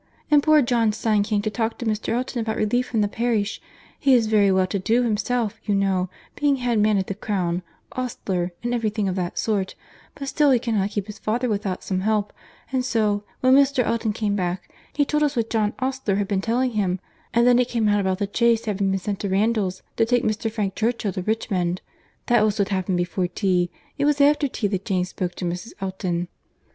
And poor John's son came to talk to Mr. Elton about relief from the parish; he is very well to do himself, you know, being head man at the Crown, ostler, and every thing of that sort, but still he cannot keep his father without some help; and so, when Mr. Elton came back, he told us what John ostler had been telling him, and then it came out about the chaise having been sent to Randalls to take Mr. Frank Churchill to Richmond. That was what happened before tea. It was after tea that Jane spoke to Mrs. Elton."